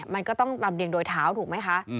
มันก็ต้องลำเรียงโดยเท้าถูกไหมคะ